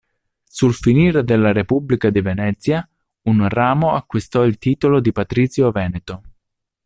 Sul finire della Repubblica di Venezia, un ramo acquistò il titolo di patrizio veneto.